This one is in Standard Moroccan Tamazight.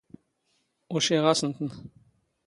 ⵓⵛⵉⵖ ⴰⵙⵏ ⵜⵏ.